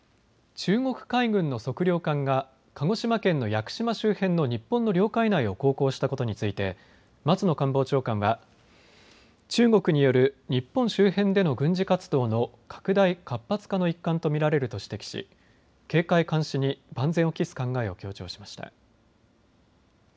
中国海軍の測量艦が鹿児島県の屋久島周辺の日本の領海内を航行したことについて松野官房長官は、中国による日本周辺での軍事活動の拡大・活発化の一環と見られると指摘し警戒・監視に万全を期す考えを強調しました。